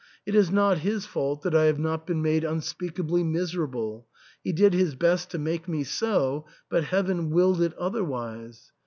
It is not his fault that I have not been made unspeakably miserable ; he did his best, to make me so, but Heaven willed it otherwise.